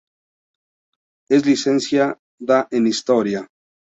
Es licenciada en historia.